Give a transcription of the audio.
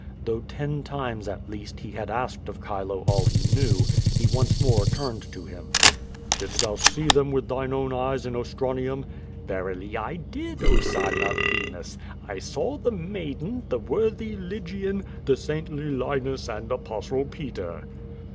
Though ten times, at least, he had asked of Chilo all he knew, he once more turned to him. "Didst thou see them with thine own eyes in Ostranium? "Verily I did, oh, son of Venus! I saw the maiden, the worthy Lygian, the saintly Linus and Apostle Peter.'